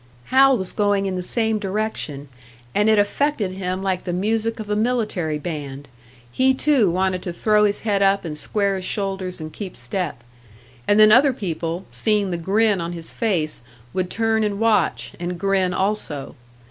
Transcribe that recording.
Hal was going in the same direction, and it affected him like the music of a military band; he too wanted to throw his head up and square his shoulders and keep step. And then other people, seeing the grin on his face, would turn and watch, and grin also.